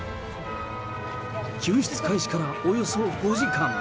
救出開始からおよそ５時間。